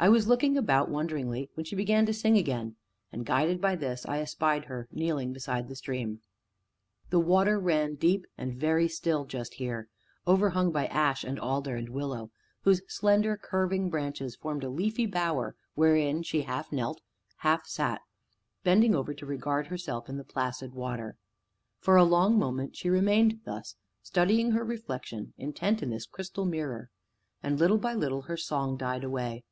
I was looking about wonderingly, when she began to sing again, and, guided by this, I espied her kneeling beside the stream. The water ran deep and very still, just here, overhung by ash and alder and willow, whose slender, curving branches formed a leafy bower wherein she half knelt, half sat, bending over to regard herself in the placid water. For a long moment she remained thus, studying her reflection intently in this crystal mirror, and little by little her song died away.